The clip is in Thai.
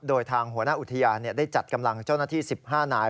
โดยทางหัวหน้าอุทยานได้จัดกำลังเจ้าหน้าที่๑๕นาย